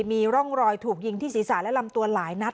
มีร่องรอยถูกยิงที่ศีรษะและลำตัวหลายนัด